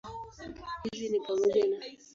Hizi ni pamoja na